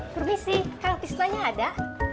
permisi kang pis tanya ada